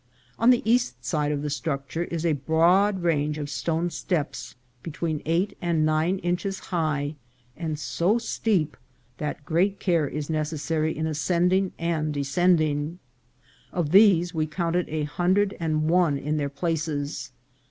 On the east side of the structure is a broad range of stone steps between eight and nine inches high, and so steep that great care is necessary in ascending and descending ; of these we counted a hundred and one in their places.